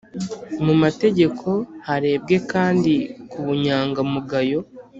mu mategeko Harebwe kandi ku bunyangamugayo